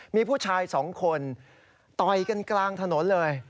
มีผู้ชายสองคนต่อยกันกลางถนนเลย